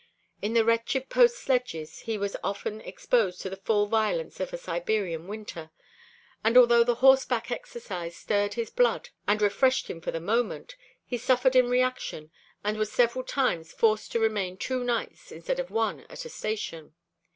In the wretched post sledges he was often exposed to the full violence of a Siberian winter, and although the horseback exercise stirred his blood and refreshed him for the moment, he suffered in reaction and was several times forced to remain two nights instead of one at a station.